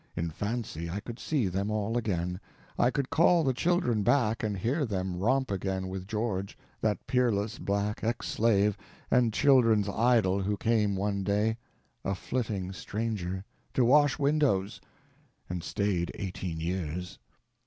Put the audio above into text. In fancy I could see them all again, I could call the children back and hear them romp again with George—that peerless black ex slave and children's idol who came one day—a flitting stranger—to wash windows, and stayed eighteen years.